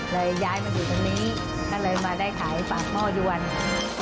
เลยย้ายมาถึงตรงนี้ถ้าเลยมาได้ขายปากหม้อหยวนค่ะ